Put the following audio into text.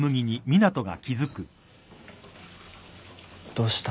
どうした？